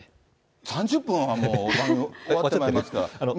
３０分はもう番組終わっちゃいますから。